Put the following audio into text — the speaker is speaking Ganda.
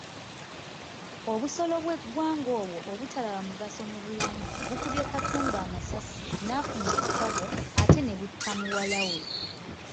Obusolo bw'eggwanga obwo obutalaba mugaso mu bulamu bukubye Katumba amasasi n’afuna ebisago ate ne butta muwala we.